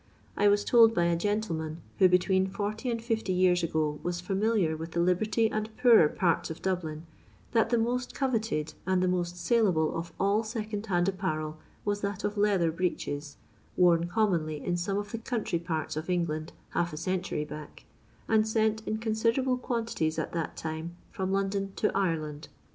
I was told by a gentleman, who between 40 and 50 years ago was fiuniliar with the liberty and poorer parts of Dablin, that the most coveted and the most saleable of all second hand apparel was that of leather breeches, worn commonly in some of the country parts of Bngland half a century back, and sent in considerable quantities at that time from London to Irehuid.